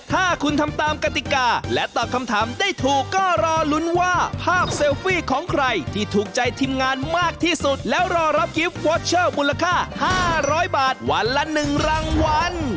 ถ้าคุณทำตามกติกาและตอบคำถามได้ถูกก็รอลุ้นว่าภาพเซลฟี่ของใครที่ถูกใจทีมงานมากที่สุดแล้วรอรับกิฟต์วอเชอร์มูลค่า๕๐๐บาทวันละ๑รางวัล